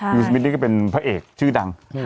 วิวสมิทซ์นี้เป็นเผาเอกชื่อดัง